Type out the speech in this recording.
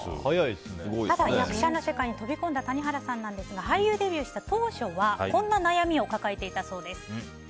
ただ、役者の世界に飛び込んだ谷原さんなんですが俳優デビューした当初はこんな悩みを抱えていたそうです。